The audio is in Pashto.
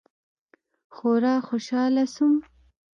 خورا خوشاله سوم.